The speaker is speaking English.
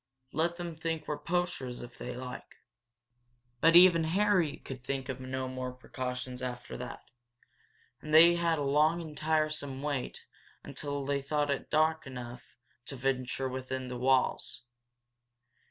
Let them think we're poachers, if they like." But even Harry could think of no more precautions after that, and they had a long and tiresome wait until they thought it was dark enough to venture within the walls.